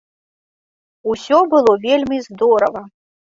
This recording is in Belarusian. Усё было вельмі здорава.